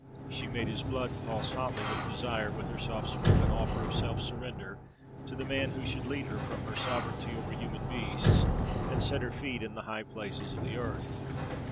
She made his blood pulse hotly with desire with her soft spoken offer of self surrender to the man who should lead her from her sovereignty over human beasts and set her feet in the high places of the earth.